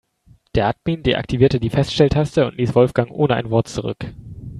Der Admin deaktivierte die Feststelltaste und ließ Wolfgang ohne ein Wort zurück.